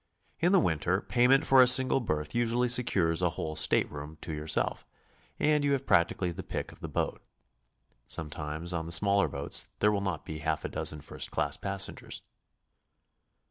In the winter, payment for a single berth usually secures a whole stateroom to yourself, and you have practically the pick of the boat. Sometimes on the smaller boats there will not be half a dozen first cabin passengers.